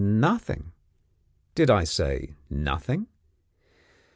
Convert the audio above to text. Nothing! Did I say Nothing?